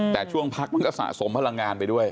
แต่ช่วงพักมันก็สะสมพลังงานไปด้วย